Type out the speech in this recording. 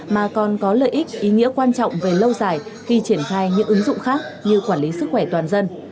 mà còn có lợi ích ý nghĩa quan trọng về lâu dài khi triển khai những ứng dụng khác như quản lý sức khỏe toàn dân